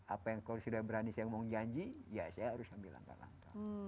apa yang kalau sudah berani saya ngomong janji ya saya harus ambil langkah langkah